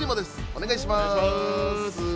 お願いします！